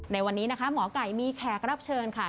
ในวันนี้นะคะหมอไก่มีแขกรับเชิญค่ะ